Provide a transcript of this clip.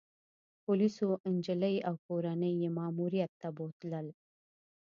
پولیسو انجلۍ او کورنۍ يې ماموریت ته بوتلل